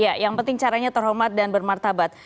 ya yang penting caranya terhormat dan bermartabat